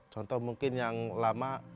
contoh yang lama